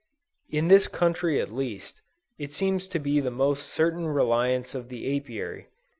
In this country at least, it seems to be the most certain reliance of the Apiary.